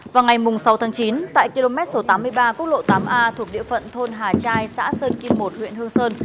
vào ngày sáu tháng chín tại km số tám mươi ba quốc lộ tám a thuộc địa phận thôn hà trai xã sơn kim một huyện hương sơn